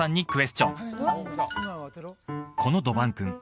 このどばんくん